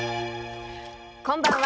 こんばんは。